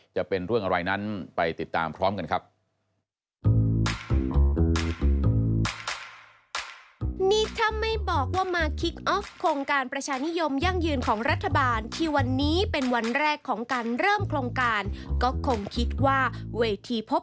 จะเป็นเรื่องอะไรนั้นไปติดตามพร้อมกันครับ